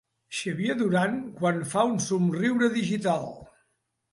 Xavier Duran quan fa un somriure digital.